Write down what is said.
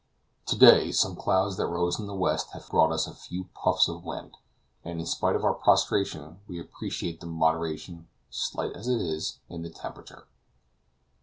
To day some clouds that rose in the west have brought us a few puffs of wind; and in spite of our prostration, we appreciate the moderation, slight as it is, in the temperature.